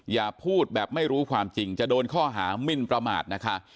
อย่าพูดแบบไม่รู้ความจริงจะโดนข้อหามินประมาทนะคะ